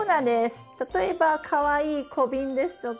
例えばかわいい小瓶ですとか。